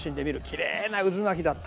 きれいな渦巻きだった。